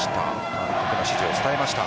監督の指示を伝えました。